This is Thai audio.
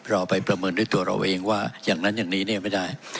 เราไปประเมินด้วยตัวเราเองว่าอย่างนั้นอย่างนี้เนี่ยไม่ได้